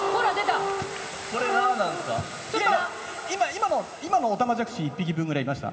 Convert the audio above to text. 今のオタマジャクシ１匹分ぐらいいました？